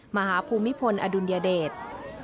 ภูมิพลอดุลยเดช